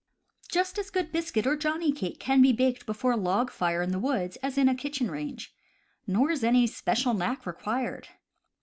Just as good biscuit or johnny cake can be baked before a log fire in the woods as in a kitchen range. Nor is any special knack required.